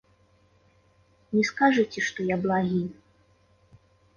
Не скажыце, што я благі.